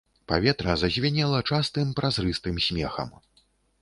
Паветра зазвінела частым празрыстым смехам.